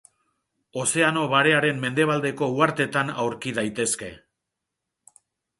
Ozeano Barearen mendebaldeko uhartetan aurki daitezke.